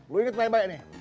lo inget baik baik nih